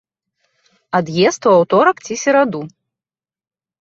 Ад'езд у аўторак ці сераду.